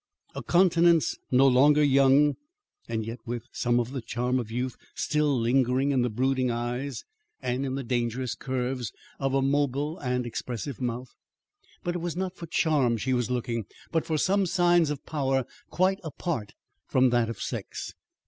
A countenance no longer young, and yet with some of the charm of youth still lingering in the brooding eyes and in the dangerous curves of a mobile and expressive mouth. But it was not for charm she was looking, but for some signs of power quite apart from that of sex.